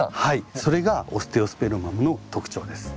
それがオステオスペルマムの特徴です。